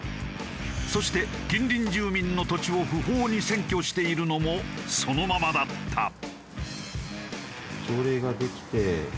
そして近隣住民の土地を不法に占拠しているのもそのままだった。